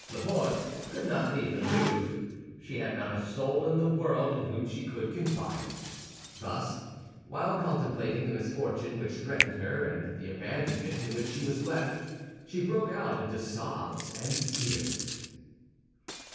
Laporte could not leave the Louvre; she had not a soul in the world in whom she could confide. Thus, while contemplating the misfortune which threatened her and the abandonment in which she was left, she broke out into sobs and tears.